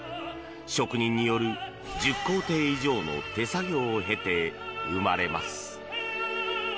職人による１０工程以上の手作業を経て生まれます。